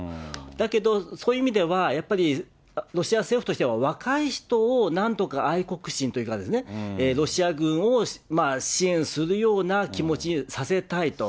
だけど、そういう意味では、やっぱりロシア政府としては若い人をなんとか愛国心というかですね、ロシア軍を支援するような気持ちにさせたいと。